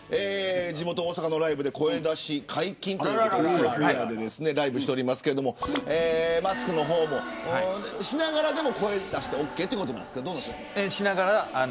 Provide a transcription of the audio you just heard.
地元、大阪のライブで声出し解禁ということでライブしておりますけれどもマスクの方もしながら声を出してオーケーということですか。